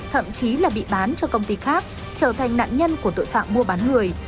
thậm chí là bị bán cho công ty khác trở thành nạn nhân của tội phạm mua bán người